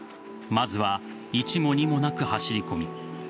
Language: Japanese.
まずは、１も２もなく走り込み。